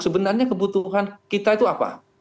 sebenarnya kebutuhan kita itu apa